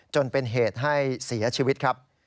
จนเป็นเหตุให้เสียชีวิตครับ